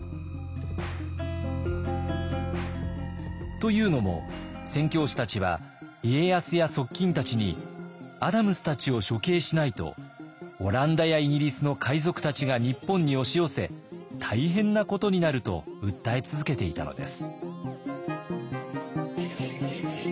というのも宣教師たちは家康や側近たちに「アダムスたちを処刑しないとオランダやイギリスの海賊たちが日本に押し寄せ大変なことになる」と訴え続けていたのです。